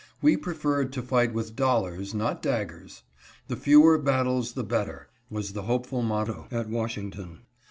We preferred to fight with dollars, and not daggers. ' The fewer battles the better,' was the hopeful motto at Washington.